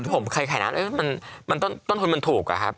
ผมเคยขายร้านต้นทนมันถูกครับ